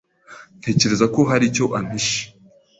Ntekereza ko hari icyo ampishe.